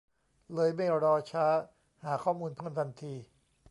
เลยไม่รอช้าหาข้อมูลเพิ่มทันที